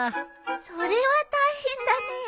それは大変だね。